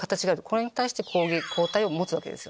これに対してこういう抗体を持つわけです